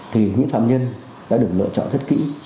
thì những phạm nhân đã được lựa chọn rất kỹ